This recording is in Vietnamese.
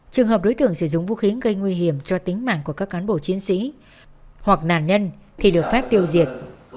trường hợp đối tượng sử dụng vũ khí gây nguy hiểm cho tính mạng của các cán bộ chiến sĩ hoặc nạn nhân thì được phép tiêu diệt